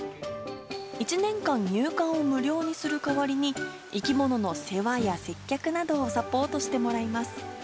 １年間入館を無料にする代わりに、生き物の世話や接客などをサポートしてもらいます。